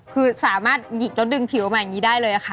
คือสามารถหยิกแล้วดึงผิวมาอย่างนี้ได้เลยค่ะ